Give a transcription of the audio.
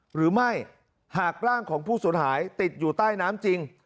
หรือไม่หากร่างของผู้สูญหายติดอยู่ใต้น้ำจริง